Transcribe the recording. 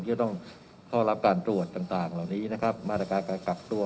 จะต้องเข้ารับการตรวจต่างเหล่านี้นะครับมาตรการการกักตัว